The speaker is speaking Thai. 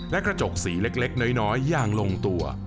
และกระจกสีเล็กน้อยอย่างลงตัว